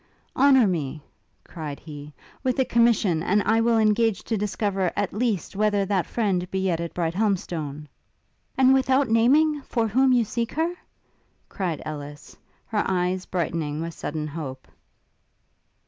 'Honour me,' cried he, 'with a commission, and I will engage to discover, at least, whether that friend be yet at Brighthelmstone.' 'And without naming for whom you seek her?' cried Ellis, her eyes brightening with sudden hope.